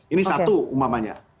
ini satu umamanya